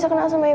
saya masih masih